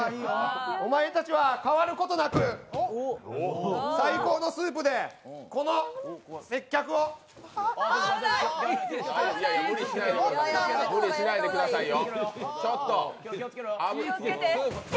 お前たちは変わることなく最高のスープでこの接客を無理しないでくださいよ。